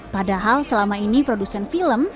padahal selama ini produsen film